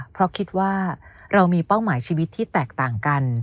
เพราะคิดว่าเรามีเป้าหมายชีวิตที่แตกต่างกัน